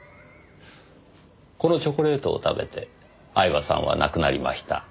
このチョコレートを食べて饗庭さんは亡くなりました。